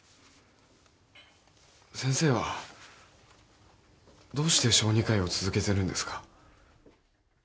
先生はどうして小児科医を続けているんですか？